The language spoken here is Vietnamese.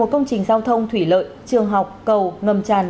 một mươi một công trình giao thông thủy lợi trường học cầu ngầm tràn